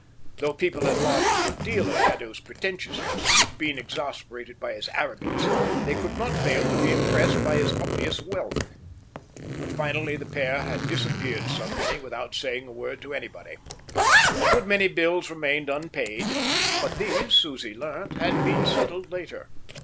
Though people had laughed a good deal at Haddo's pretentiousness, and been exasperated by his arrogance, they could not fail to be impressed by his obvious wealth. But finally the pair had disappeared suddenly without saying a word to anybody. A good many bills remained unpaid, but these, Susie learnt, had been settled later.